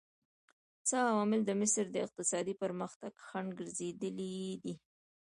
څه عوامل د مصر د اقتصادي پرمختګ خنډ ګرځېدلي دي؟